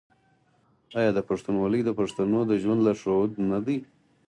آیا پښتونولي د پښتنو د ژوند لارښود نه دی؟